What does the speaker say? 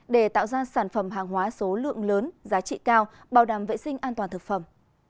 để tạo ra sản phẩm hàng hóa số lượng lớn giá trị cao bảo đảm vệ sinh an toàn thực phẩm